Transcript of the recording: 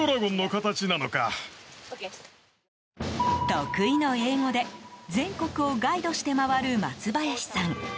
得意の英語で全国をガイドして回る松林さん。